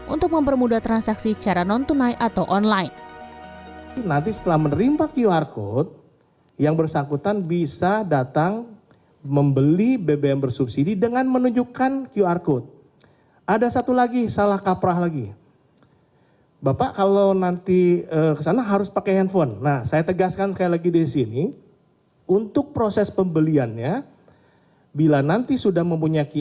untuk mempermudah transaksi secara non tunai